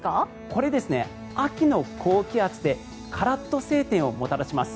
これ、秋の高気圧でカラッと晴天をもたらします。